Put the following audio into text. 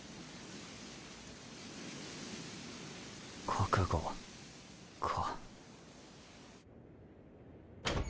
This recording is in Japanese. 覚悟か。